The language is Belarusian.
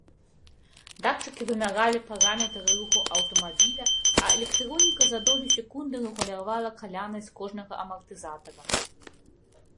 Датчыкі вымяралі параметры руху аўтамабіля, а электроніка за долі секунды рэгулявала калянасць кожнага амартызатара.